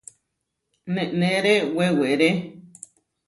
Neneré weweré.